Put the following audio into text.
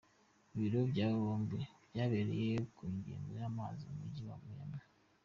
Ibirori by’aba bombi byabereye ku nkengero z’amazi mu Mujyi wa Miami.